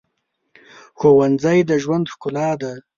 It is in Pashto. ښوونځی د ژوند ښکلا ده